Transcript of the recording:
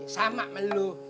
sama men lu